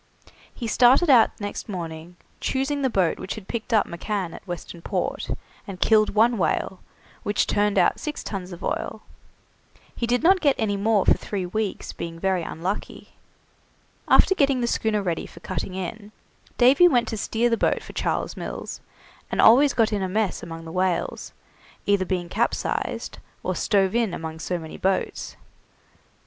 He started out next morning, choosing the boat which had picked up McCann at Western Port, and killed one whale, which turned out six tuns of oil. He did not get any more for three weeks, being very unlucky. After getting the schooner ready for cutting in, Davy went to steer the boat for Charles Mills, and always got in a mess among the whales, being either capsized or stove in among so many boats.